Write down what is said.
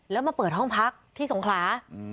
แล้วมาเปิดห้องพักที่สงขลา